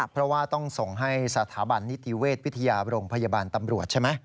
เพราะว่าต้องส่งให้สถาบันนิติเวชวิทยาโรงพยาบาลตำรวจใช่ไหม